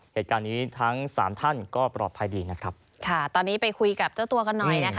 เหตุการณ์นี้ทั้งสามท่านก็ปลอดภัยดีนะครับค่ะตอนนี้ไปคุยกับเจ้าตัวกันหน่อยนะคะ